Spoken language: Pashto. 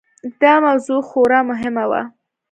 دا موضوع خورا مهمه وه.